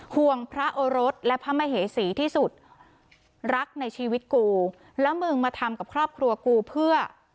ห่วงพระโอรสและพระมเหสีที่สุดรักในชีวิตกูแล้วมึงมาทำกับครอบครัวกูเพื่อ